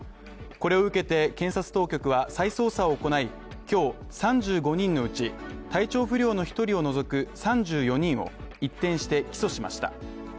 これを受けて検察当局は再捜査を行い、今日、３５人のうち体調不良の１人を除く３４人を一転して起訴しました。